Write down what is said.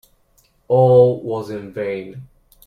All was in vain.